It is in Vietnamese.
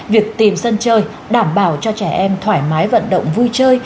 việc tìm sân chơi đảm bảo cho trẻ em thoải mái vận động vui chơi